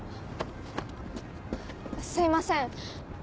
すいませんあの。